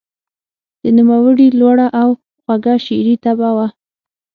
د نوموړي لوړه او خوږه شعري طبعه وه.